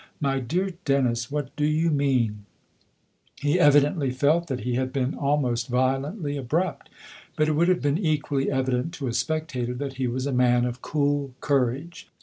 " My dear Dennis, what do you mean ?" He evidently felt that he had been almost violently abrupt ; but it would have been equally evident to a spectator that he was a man of cool courage.